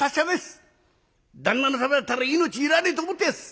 旦那のためだったら命いらねえと思っていやす！